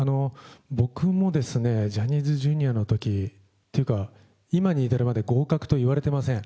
僕もですね、ジャニーズＪｒ．のときっていうか、今に至るまで合格といわれてません。